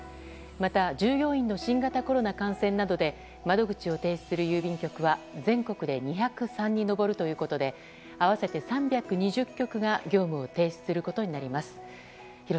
また、従業員の新型コロナ感染などで窓口を停止する郵便局は全国で２０３に上るということで合わせて３２０局が業務を停止することになります。